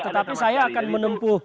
tetapi saya akan menempuh